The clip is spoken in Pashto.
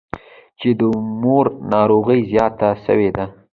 چې د مور ناروغي زياته سوې ده.